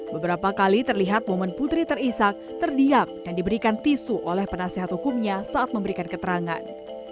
beberapa kali terlihat momen putri terisak terdiam dan diberikan tisu oleh penasehat hukumnya saat memberikan keterangan